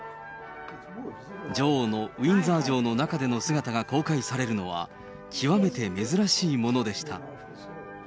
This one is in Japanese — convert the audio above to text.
女王のウィンザー城の中での姿が公開されるのは、極めて珍しいものでした。